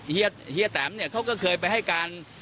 เฮียแตมเนี่ยเขาก็เคยไปให้การ